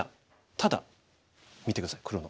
ただ見て下さい黒の。